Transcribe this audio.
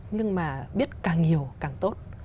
nhưng mà biết càng nhiều càng tốt